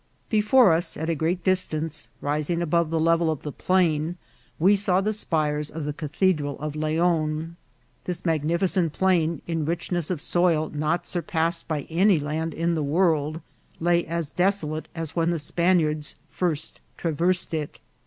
Before us, at a great distance, rising above the level of the plain, we saw the spires of the Cathedral of Leon. This magnificent plain, in rich ness of soil not surpassed by any land in the world, lay as desolate as when the Spaniards first traversed it.